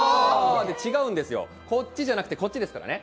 あって違うんですよ、こっちじゃなくて、こっちですからね。